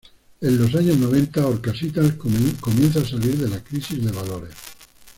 En los años noventa Orcasitas comienza a salir de la crisis de valores.